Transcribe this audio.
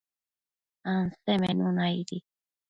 Ansemenuna aidi